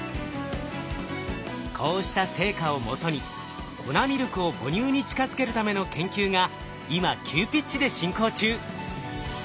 こうした成果をもとに粉ミルクを母乳に近づけるための研究が今急ピッチで進行中。